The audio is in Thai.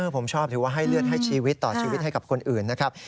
ผมชอบถือว่าให้เลือดให้ชีวิตต่อชีวิตให้กับคนอื่นนะครับ